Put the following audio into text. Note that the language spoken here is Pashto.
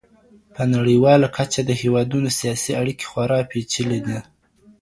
په نړيواله کچه د هيوادونو سياسي اړيکي خورا پېچلې دي.